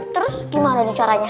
terus gimana caranya